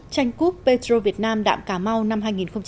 tranh quốc petro việt nam đạm cà mau năm hai nghìn một mươi tám